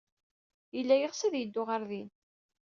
Yella yeɣs ad yeddu ɣer din.